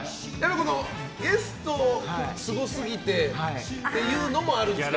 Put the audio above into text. ゲストがすごすぎてっていうのもあるんですか？